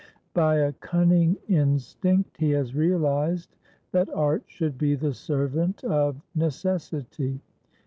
By a cunning instinct he has realized that art should be the servant of necessity.